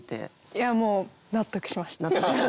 いやもう納得しました。